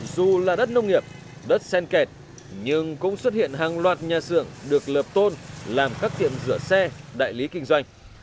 dù là đất nông nghiệp đất sen kẹt nhưng cũng xuất hiện hàng loạt nhà xưởng được lợp tôn làm các tiệm rửa xe đại lý kinh doanh